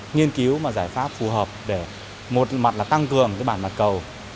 nhiên cứu giải pháp phù hợp để tăng cường bản mặt cầu